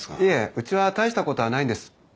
いえうちは大したことはないんです。